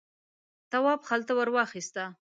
تواب خلته ور واخیسته.